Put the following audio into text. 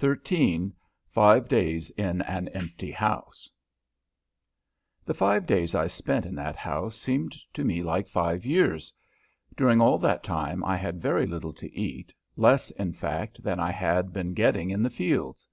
XIII FIVE DAYS IN AN EMPTY HOUSE The five days I spent in that house seemed to me like five years. During all that time I had very little to eat less, in fact, than I had been getting in the fields.